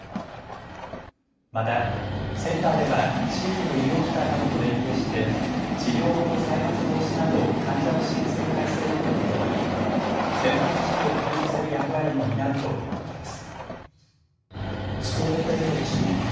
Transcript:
またセンターでは地域の医療機関などと連携して治療後の再発防止など患者を支援する体制を取るとともに専門知識を普及させる役割も担うということです。